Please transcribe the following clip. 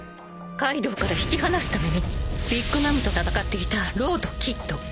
［カイドウから引き離すためにビッグ・マムと戦っていたローとキッド］